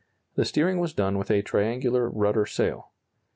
The steering was done with a triangular rudder sail.